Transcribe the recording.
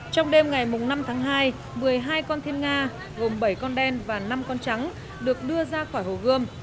trong đêm ngày năm tháng hai một mươi hai con thiên nga gồm bảy con đen và năm con trắng được đưa ra khỏi hồ gươm